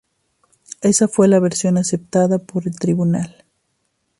Esa fue la versión aceptada por el tribunal.